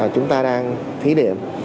chúng ta đang thí điểm